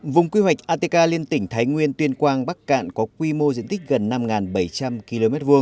vùng quy hoạch atk liên tỉnh thái nguyên tuyên quang bắc cạn có quy mô diện tích gần năm bảy trăm linh km hai